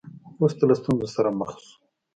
وروسته له ستونزو سره مخ شو.